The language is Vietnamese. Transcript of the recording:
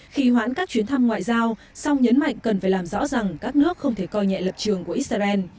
khi hoãn các chuyến thăm ngoại giao song nhấn mạnh cần phải làm rõ rằng các nước không thể coi nhẹ lập trường của israel